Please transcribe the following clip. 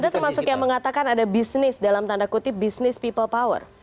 anda termasuk yang mengatakan ada bisnis dalam tanda kutip bisnis people power